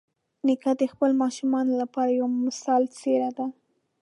نیکه د خپلو ماشومانو لپاره یوه مثالي څېره ده.